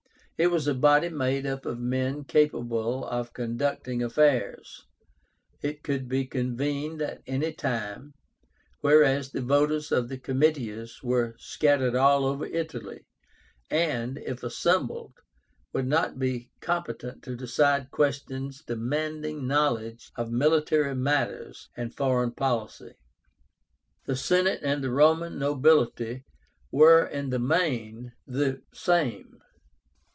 It was a body made up of men capable of conducting affairs. It could be convened at any time, whereas the voters of the Comitias were scattered over all Italy, and, if assembled, would not be competent to decide questions demanding knowledge of military matters and foreign policy. The Senate and the Roman nobility were in the main the same.